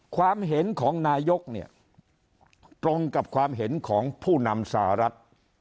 ความเห็นของนายกเนี่ยตรงกับความเห็นของผู้นำสหรัฐ